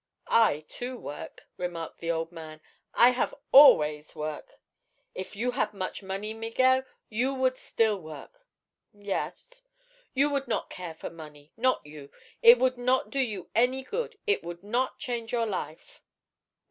"I, too, work," remarked the old man. "I have always work." "If you had much money, Miguel, you would still work." "Yes." "You would not care for money; not you. It would not do you any good. It would not change your life."